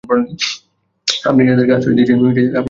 আপনি যাদেরকে আশ্রয় দিয়েছেন।